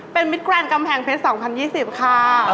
เป็นมิตรแกรนด์กำแพงเพชร๒๐๒๐ค่ะ